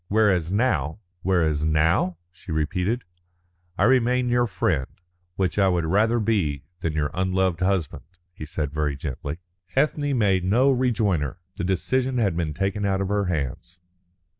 Whereas now " "Whereas now?" she repeated. "I remain your friend, which I would rather be than your unloved husband," he said very gently. Ethne made no rejoinder. The decision had been taken out of her hands.